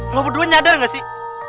lo berdua nyadar gak sih